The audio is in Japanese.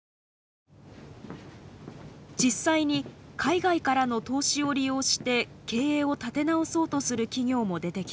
実際に海外からの投資を利用して経営を立て直そうとする企業も出てきています。